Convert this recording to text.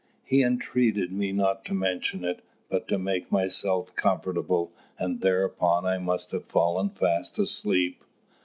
He entreated me not to mention it, but to make myself comfortable; and thereupon I must have fallen fast asleep.